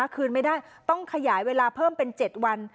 คืนไม่ได้ต้องขยายเวลาเพิ่มเป็น๗วัน